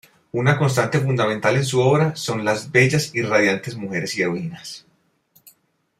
Una constante fundamental en su obra son las bellas y radiantes mujeres y heroínas.